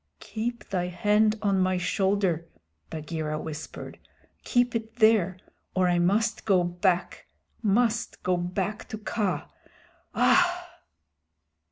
"Keep thy hand on my shoulder," Bagheera whispered. "Keep it there, or I must go back must go back to Kaa. Aah!"